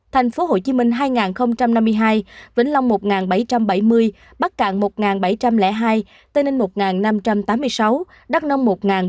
thành phố hồ chí minh hai năm mươi hai vĩnh long một bảy trăm bảy mươi bắc cạn một bảy trăm linh hai tây ninh một năm trăm tám mươi sáu đắk nông một bốn trăm sáu mươi năm